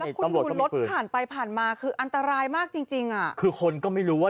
คุณดูรถผ่านไปผ่านมาคืออันตรายมากจริงจริงอ่ะคือคนก็ไม่รู้ว่า